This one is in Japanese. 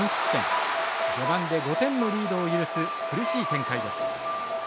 序盤で５点のリードを許す苦しい展開です。